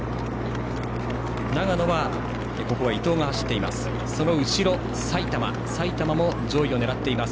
長野は伊藤が走っています。